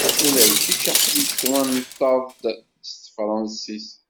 Ula d kečč aql-ik twennteḍ-d s tefransist.